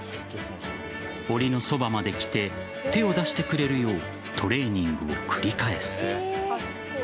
おりのそばまで来て手を出してくれるようトレーニングを繰り返す。